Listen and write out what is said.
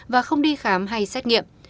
và không đi khám hay xét nghiệm